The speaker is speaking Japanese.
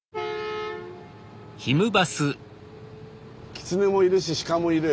キツネもいるし鹿もいる？